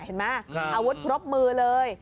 เห็นไหมอาวุธครบมือเลย